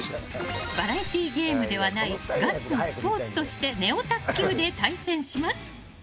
バラエティーゲームではないガチのスポーツとしてネオ卓球で対戦します。